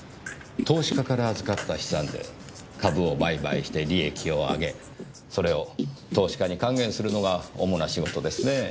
投資家から預かった資産で株を売買して利益を上げそれを投資家に還元するのが主な仕事ですねぇ。